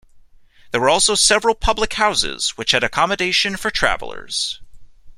There were also several public houses, which had accommodation for travellers.